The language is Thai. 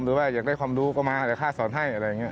หรือว่าอยากได้ความรู้ก็มาแต่ค่าสอนให้อะไรอย่างนี้